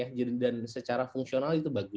itu yang penting dan secara fungsional itu bagus